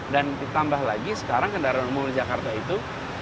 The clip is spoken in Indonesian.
dan ditambah lagi sekarang kendaraan umum di jakarta itu